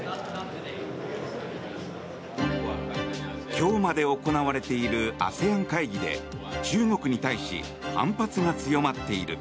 今日まで行われているＡＳＥＡＮ会議で中国に対し反発が強まっている。